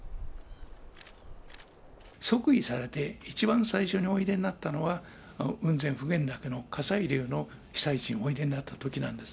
即位されて、一番最初においでになられたのは、雲仙普賢岳の火砕流の被災地においでになったときなんです。